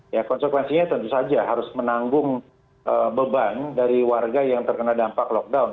ya konsekuensinya tentu saja harus menanggung beban dari warga yang terkena dampak lockdown